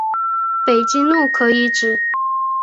北京路可以指